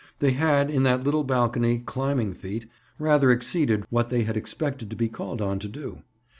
They had, in that little balcony climbing feat, rather exceeded what they had expected to be called on to do.